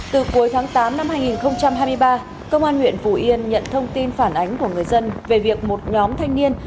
từ cuối tháng tám năm hai nghìn hai mươi ba công an huyện phủ yên nhận thông tin phản ánh của người dân về việc một nhóm thanh niên